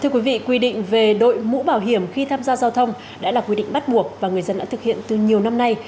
quy định về đội mũ bảo hiểm khi tham gia giao thông đã là quy định bắt buộc và người dân đã thực hiện từ nhiều năm nay